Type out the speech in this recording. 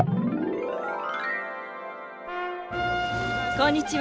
こんにちは。